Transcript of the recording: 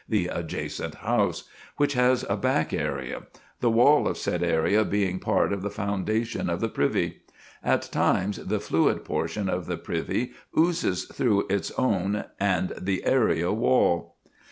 (the adjacent house), which has a back area; the wall of said area being part of the foundation of the privy. At times the fluid portion of the privy oozes through its own and the area wall.